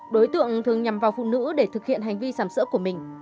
đối tượng thường nhằm vào phụ nữ để thực hiện hành vi sảm sỡ của mình